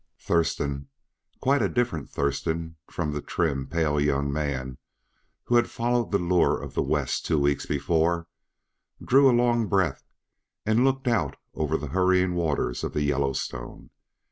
Thurston quite a different Thurston from the trim, pale young man who had followed the lure of the West two weeks before drew a long breath and looked out over the hurrying waters of the Yellowstone.